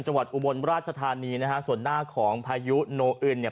อุบลราชธานีนะฮะส่วนหน้าของพายุโนอึนเนี่ย